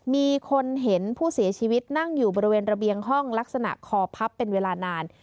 มีคนเห็นผู้เสียชีวิตนั่งอยู่บริเวณระเบียงห้องลักษณะคอพับเป็นเวลานาน